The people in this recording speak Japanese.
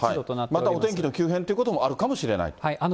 またお天気の急変もあるかもしれないと。